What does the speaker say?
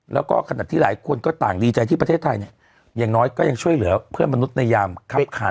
แล้วก็ขนาดที่หลายคนก็ต่างดีใจที่ประเทศไทยเนี่ยอย่างน้อยก็ยังช่วยเหลือเพื่อนมนุษย์ในยามคับขัน